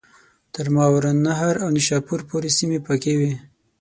تر ماوراءالنهر او نیشاپور پوري سیمي پکښي وې.